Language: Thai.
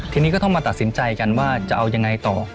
ทีนี้ก็ต้องมาตัดสินใจกันว่าจะเอายังไงต่อ